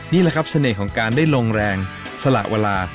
นี่แหละครับเสน่ห์ของการได้ลงแรงสละเวลา